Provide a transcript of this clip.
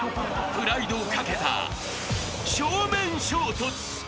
［プライドを懸けた正面衝突］